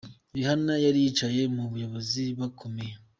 Rihanna yari yicaye mu bayobozi bakomeye.